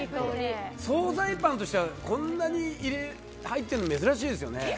総菜パンとしてはこんなに入ってるの珍しいですよね。